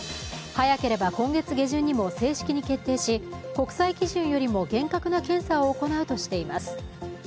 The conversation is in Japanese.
早ければ今月下旬にも正式に決定し国際基準よりも厳格な検査を行うとしています。